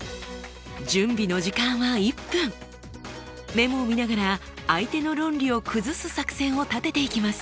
メモを見ながら相手の論理を崩す作戦を立てていきます。